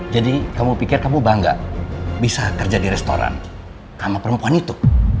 jadi kamu pikir kamu bangga bisa kerja di restoran sama perempuan itu